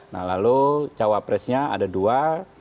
nah lalu cawapresnya ada dua